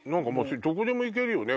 どこでもいけるよね？